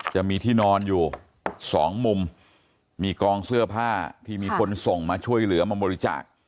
จะมีที่นอนอยู่สองมุมมีกองเสื้อผ้าที่มีคนส่งมาช่วยเหลือมาบริจาค